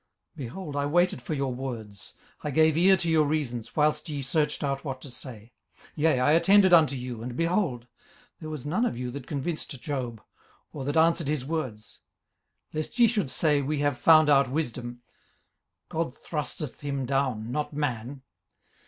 18:032:011 Behold, I waited for your words; I gave ear to your reasons, whilst ye searched out what to say. 18:032:012 Yea, I attended unto you, and, behold, there was none of you that convinced Job, or that answered his words: 18:032:013 Lest ye should say, We have found out wisdom: God thrusteth him down, not man.